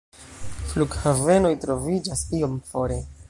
Flughavenoj troviĝas iom fore.